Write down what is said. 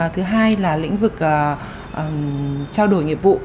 thứ hai là lĩnh vực trao đổi nghiệp vụ